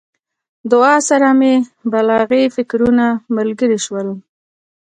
دعا سره مې بلاغي فکرونه ملګري شول.